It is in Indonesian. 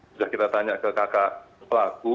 sudah kita tanya ke kakak pelaku